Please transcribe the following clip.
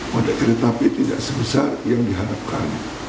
mudik kereta api tidak sebesar yang diharapkan